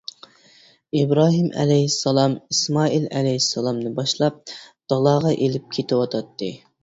ئىبراھىم ئەلەيھىسسالام ئىسمائىل ئەلەيھىسسالامنى باشلاپ دالاغا ئېلىپ كېتىۋاتاتتى.